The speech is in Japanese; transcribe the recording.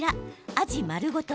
アジ丸ごと